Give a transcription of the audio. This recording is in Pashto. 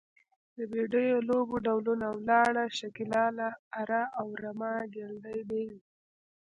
د بډیو لوبو ډولونه، ولاړه، شکیلاله، اره او رمه، ګیلدي، بیز …